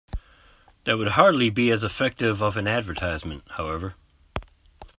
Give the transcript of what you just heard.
That would hardly be as effective of an advertisement, however.